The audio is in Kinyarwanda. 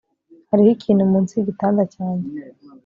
Hariho ikintu munsi yigitanda cyanjye